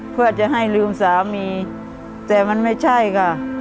เพื่อจะให้ลืมสามีแต่มันไม่ใช่ค่ะ